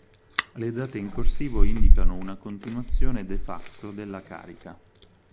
Le date in corsivo indicano una continuazione "de facto" della carica.